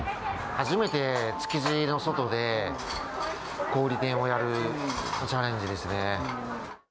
初めて築地の外で、小売り店をやるチャレンジですね。